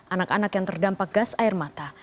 anak anak yang terdampak gas air mata